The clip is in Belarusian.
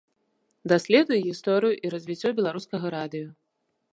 Даследуе гісторыю і развіццё беларускага радыё.